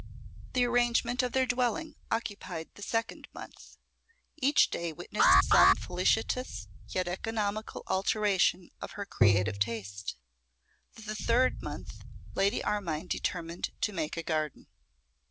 The arrangement of their dwelling occupied the second month; each day witnessed some felicitous yet economical alteration of her creative taste. The third month Lady Armine determined to make a garden.